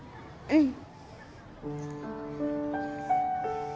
うん。